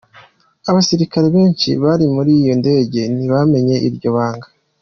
Abasirikare benshi bari muri iyo ndege ntibamenye iryo banga.